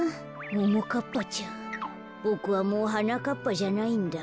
ももかっぱちゃんボクはもうはなかっぱじゃないんだ。